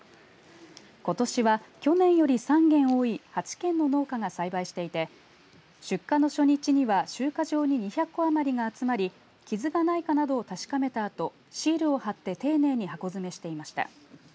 ことしは去年より３軒多い８軒の農家が栽培していて出荷の初日には集荷場に２００個余りが集まり傷がないかなどを確かめたあとシールを貼って丁寧に箱詰めしていました。